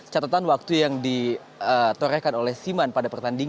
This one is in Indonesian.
catatan waktu yang ditorehkan oleh siman pada pertandingan